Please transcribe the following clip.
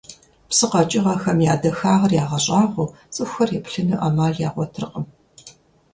Псы къэкӀыгъэхэм я дахагъыр ягъэщӀагъуэу цӀыхухэр еплъыну Ӏэмал ягъуэтыркъым.